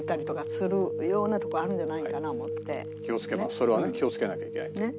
それはね気をつけないといけない。